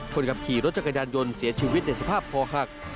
คนขับขี่รถจักรยานยนต์เสียชีวิตในสภาพคอหัก